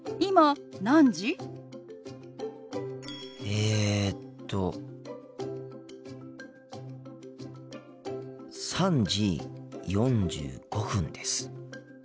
えっと３時４５分です。